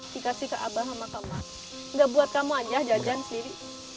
dikasih ke abah sama kabah nggak buat kamu aja jajan sendiri enggak